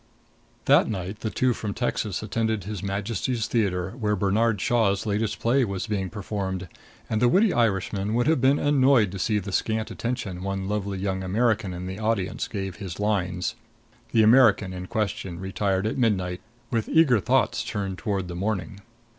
That night the two from Texas attended His Majesty's Theater, where Bernard Shaw's latest play was being performed; and the witty Irishman would have been annoyed to see the scant attention one lovely young American in the audience gave his lines. The American in question retired at midnight, with eager thoughts turned toward the morning.